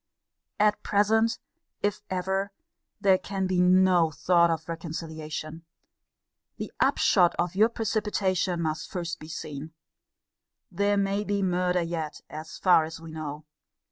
At present, if ever, there can be no thought of reconciliation. The upshot of your precipitation must first be seen. There may be murder yet, as far as we know.